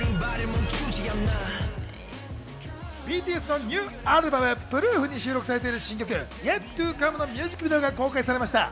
ＢＴＳのニューアルバム『Ｐｒｏｏｆ』に収録されている新曲『ＹｅｔＴｏＣｏｍｅ』のミュージックビデオが公開されました。